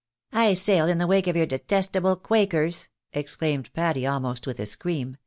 I sail in the wake of your detestable quakers !" exclaimed Patty, almost with a scream.